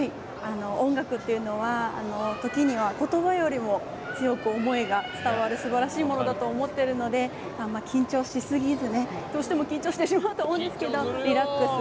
音楽っていうのは時には言葉よりも強く思いが伝わる、すばらしいものだと思っているのであまり緊張しすぎずにねどうしても緊張してしまうと思うんですが、リラックス。